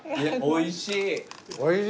おいしい。